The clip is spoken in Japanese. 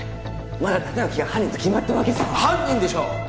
まだ立脇が犯人と決まったわけじゃ犯人でしょ！